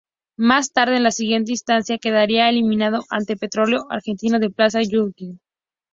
Más tarde, en la siguiente instancia, quedaría eliminado ante Petrolero Argentino de Plaza Huincul.